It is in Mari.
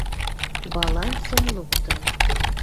Балансым луктын!